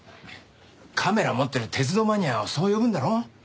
カメラ持ってる鉄道マニアをそう呼ぶんだろ？